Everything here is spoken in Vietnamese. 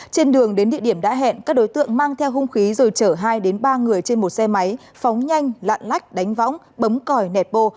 trên đường đến địa điểm đã hẹn các đối tượng mang theo hung khí rồi chở hai đến ba người trên một xe máy phóng nhanh lạn lách đánh võng bấm còi nẹt bô